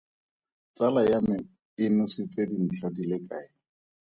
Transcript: Tsala ya me e nositse dintlha di le kae?